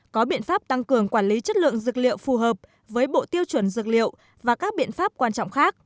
có biện pháp tăng cường quản lý chất lượng dược liệu phù hợp với bộ tiêu chuẩn dược liệu và các biện pháp quan trọng khác